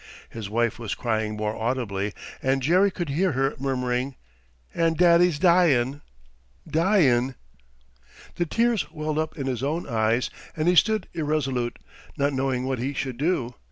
His wife was crying more audibly, and Jerry could hear her murmuring, "And daddy's dyin', dyin'!" The tears welled up in his own eyes, and he stood irresolute, not knowing what he should do.